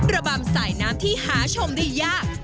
ระบำสายน้ำที่หาชมได้ยาก